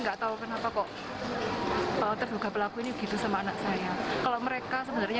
enggak tahu kenapa kok terduga pelaku ini gitu sama anak saya kalau mereka sebenarnya